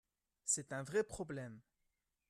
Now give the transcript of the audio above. C’est un vrai problème.